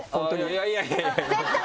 いやいやいや！